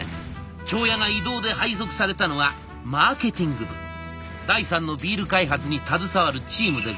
京谷が異動で配属されたのはマーケティング部第三のビール開発に携わるチームでございました。